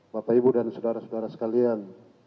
bapak ibu dan sudara sudara sekalian